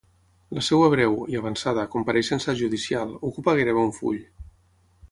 La seva breu, i avançada, compareixença judicial, ocupa gairebé un full.